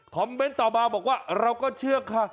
เมนต์ต่อมาบอกว่าเราก็เชื่อค่ะ